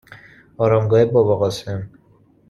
آرامگاه باباقاسم